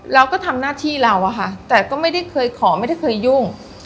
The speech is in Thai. เราก็ทำหน้าที่เราอะค่ะแต่ก็ไม่ได้เคยขอไม่ได้เคยยุ่ง